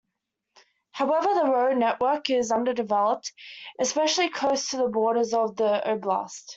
However, the road network is underdeveloped, especially close to the borders of the oblast.